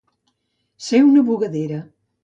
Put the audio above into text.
Ser una bugadera.